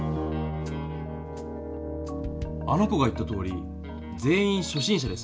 あの子が言ったとおり全員しょ心者ですね。